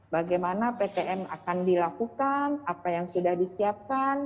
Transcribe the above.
bagaimana ptm akan dilakukan apa yang sudah disiapkan